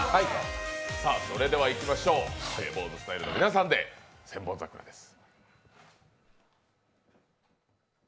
それではいきましょう、ＢＯＺＥＳＴＹＬＥの皆さんで「千本桜」です。